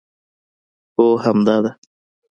هو همدا ده